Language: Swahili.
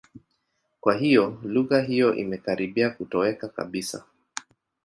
Kwa hiyo, lugha hiyo imekaribia kutoweka kabisa.